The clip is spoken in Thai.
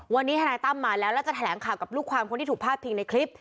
วันนี้ทนายตั้มมาแล้วแล้วจะแถลงข่าวกับลูกความคนที่ถูกพาดพิงในคลิป